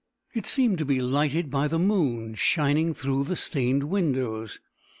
It seemed to be lighted by the moon, shining through the stained windows.